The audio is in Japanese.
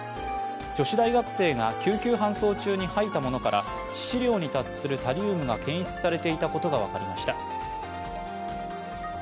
女子大学生が救急搬送中に吐いたものから、致死量に達するタリウムが検出されていたことが分かりました。